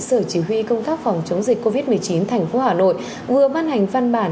sở chỉ huy công tác phòng chống dịch covid một mươi chín thành phố hà nội vừa ban hành văn bản